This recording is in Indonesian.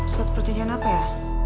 surat perjanjian apa ya